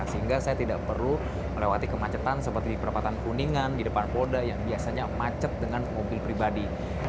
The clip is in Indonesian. sehingga saya tidak perlu melewati kemacetan seperti di perempatan kuningan di depan polda yang biasanya macet dengan mobil pribadi